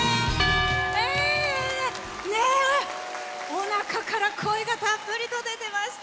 おなかから声がたっぷりと出てました。